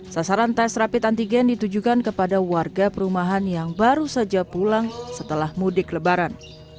sasaran tes rapid antigen ditujukan kepada warga perumahan yang baru saja pulang setelah mudik lebaran